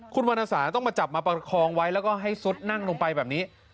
คุณวรรณสาต้องมาจับมาประคองไว้แล้วก็ให้ซุดนั่งลงไปแบบนี้